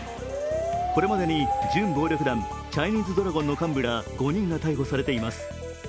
これまでに準暴力団チャイニーズドラゴンの幹部ら５人が逮捕されています。